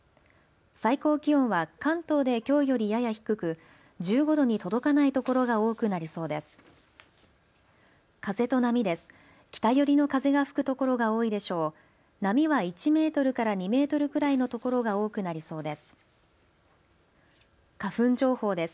最高気温は関東できょうよりやや低く１５度に届かないところが多くなりそうです。